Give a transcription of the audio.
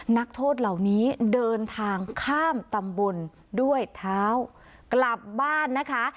นักโทษเหล่านี้เดินทางข้ามตำบลด้วยเท้ากลับบ้านนะคะ